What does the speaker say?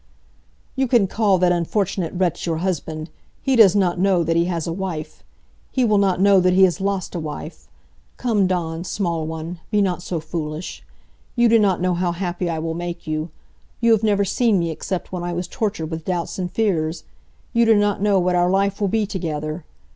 "You can call that unfortunate wretch your husband! He does not know that he has a wife. He will not know that he has lost a wife. Come, Dawn small one be not so foolish. You do not know how happy I will make you. You have never seen me except when I was tortured with doubts and fears. You do not know what our life will be together.